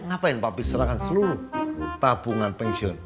ngapain pabrik serahkan seluruh tabungan pensiun